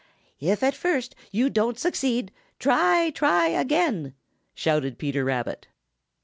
"If at first you don't succeed, try, try again!" shouted Peter Rabbit.